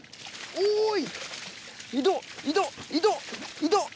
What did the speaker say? おい！